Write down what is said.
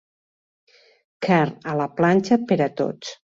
Carn a la planxa per a tots